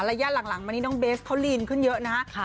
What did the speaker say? ระยะหลังมานี่น้องเบสเขาลีนขึ้นเยอะนะฮะ